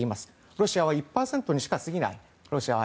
ロシアは１％にしか過ぎない。